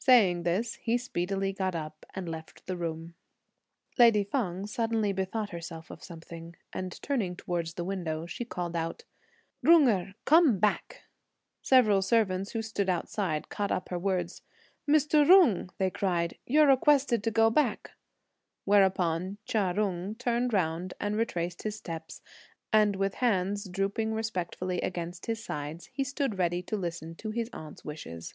Saying this, he speedily got up and left the room. Lady Feng suddenly bethought herself of something, and turning towards the window, she called out, "Jung Erh, come back." Several servants who stood outside caught up her words: "Mr. Jung," they cried, "you're requested to go back;" whereupon Chia Jung turned round and retraced his steps; and with hands drooping respectfully against his sides, he stood ready to listen to his aunt's wishes.